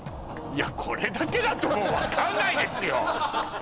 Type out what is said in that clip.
いやこれだけだと分かんないですよ